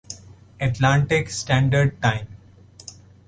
Atlantic standard time